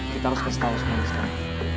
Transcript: kita harus kasih tau sama dia sekarang